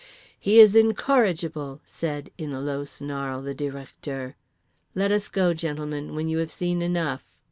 "He is incorrigible," said (in a low snarl) The Directeur. "Let us go, gentlemen, when you have seen enough."